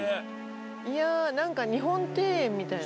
いやあなんか日本庭園みたいな。